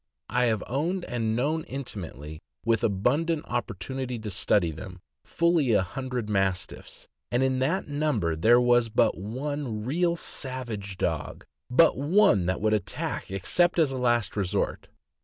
I have owned and known, intimately, with abundant oppor tunity to study them, fully a hundred Mastiffs, and in that number there was but one real savage dog; but one that would attack except as a last resort.